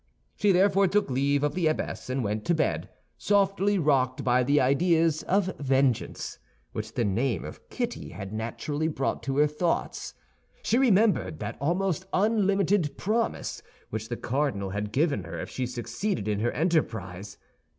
She therefore took leave of the abbess, and went to bed, softly rocked by the ideas of vengeance which the name of Kitty had naturally brought to her thoughts. She remembered that almost unlimited promise which the cardinal had given her if she succeeded in her enterprise.